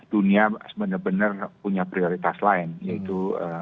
dunia benar benar punya prioritas lain yaitu